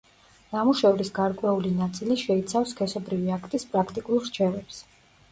ნამუშევრის გარკვეული ნაწილი შეიცავს სქესობრივი აქტის პრაქტიკულ რჩევებს.